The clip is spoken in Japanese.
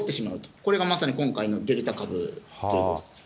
これがまさに、今回のデルタ株っていうことですね。